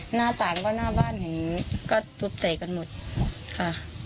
หน้าต่างก็หน้าบ้านเห็นก็ทุบเจกันหมดค่ะ